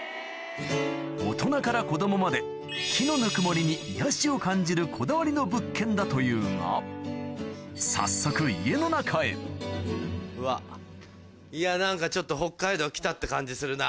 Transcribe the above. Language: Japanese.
大人から子供まで木のぬくもりに癒やしを感じるこだわりの物件だというが早速うわいや何かちょっと北海道来たって感じするな。